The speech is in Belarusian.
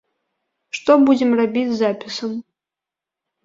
Што будзем рабіць з запісам?